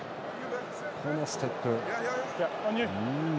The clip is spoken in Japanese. このステップ。